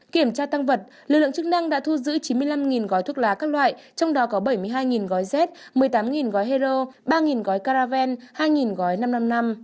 kiểm tra tăng vật lực lượng chức năng đã thu giữ chín mươi năm gói thuốc lá các loại trong đó có bảy mươi hai gói z một mươi tám gói heroin ba gói caraven hai gói năm trăm năm mươi năm